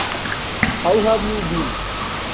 How've you been?